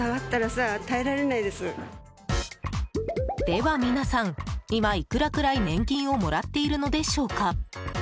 では皆さん、今いくらくらい年金をもらっているのでしょうか。